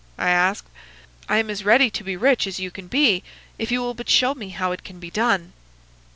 I asked. 'I am as ready to be rich as you can be, if you will but show me how it can be done.